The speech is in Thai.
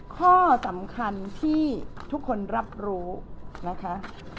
ข้อสำคัญที่ทุกคนรับรู้นะคะ